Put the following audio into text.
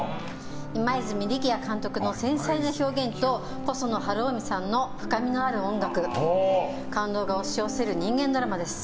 今泉力哉監督の繊細な表現と細野晴臣さんの深みのある音楽感動が押し寄せる人間ドラマです。